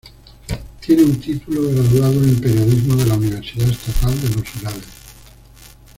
Tiene un título graduado en periodismo de la Universidad estatal de los Urales.